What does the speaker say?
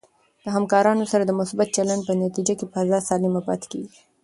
د همکارانو سره د مثبت چلند په نتیجه کې فضا سالمه پاتې کېږي.